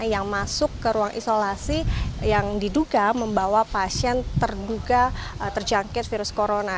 yang masuk ke ruang isolasi yang diduga membawa pasien terduga terjangkit virus corona